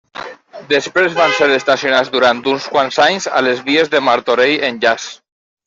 Després van ser estacionats durant uns quants anys a les vies de Martorell Enllaç.